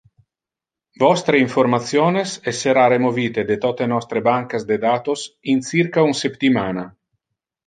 Vostre informationes essera removite de tote nostre bancas de datos in circa un septimana.